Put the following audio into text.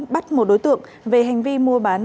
bắt một đối tượng về hành vi mua bán